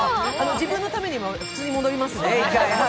自分のためにも１回普通に戻りますね。